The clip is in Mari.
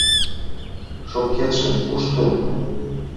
— Шопкетше кушто?